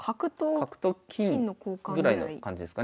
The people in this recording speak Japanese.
角と金ぐらいの感じですかね。